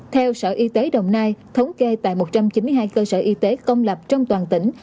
theo sở y tế đồng nai thống kê tại một trăm chín mươi hai cơ sở y tế công lập trong toàn tỉnh